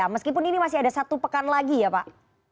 meskipun ini masih ada satu pekan lagi ya pak